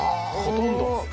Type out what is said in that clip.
ほとんど。